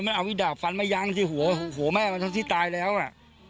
มันเอาวิดาบฟันไม่ยั้งที่หัวหัวแม่มันทั้งที่ตายแล้วอ่ะ